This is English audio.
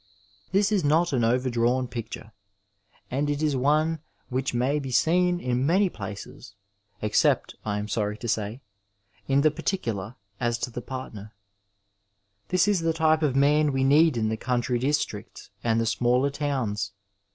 This is not an overdrawn picture, and it is one which may be seen in many places except, I am sorry to say, in the particular as to the partner This is the type of man we need in the country districts and the smaller towns.